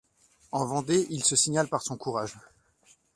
En Vendée, il se signale par son courage.